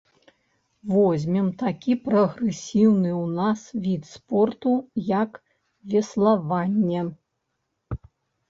Возьмем такі прагрэсіўны ў нас від спорту, як веславанне.